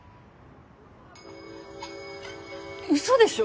嘘でしょ！？